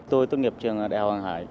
tôi tốt nghiệp trường đại học hàng hải